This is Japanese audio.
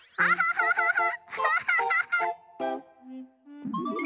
フフフフ！